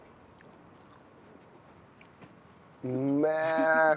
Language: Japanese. うめえ！